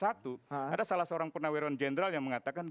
ada salah seorang penawiran jenderal yang mengatakan